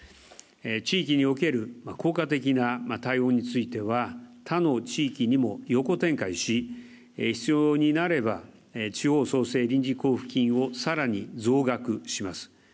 地域における効果的な対応については、他の地域にも横展開し必要になれば地方創生臨時交付金をさらに増額します。